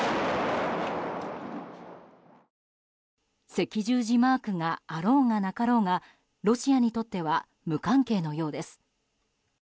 赤十字マークがあろうが、なかろうがロシアにとっては無関係のようです。